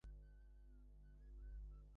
আমার বোন ফিরে এসেছে!